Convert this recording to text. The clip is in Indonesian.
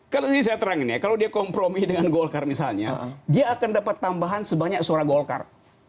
kalau ini saya terangin ya kalau dia kompromi dengan golkar misalnya dia akan dapat tambahan sebanyak suara golkar